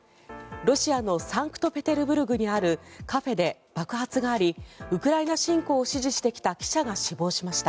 ロシアのサンクトペテルブルクにあるカフェで、爆発がありウクライナ侵攻を支持してきた記者が死亡しました。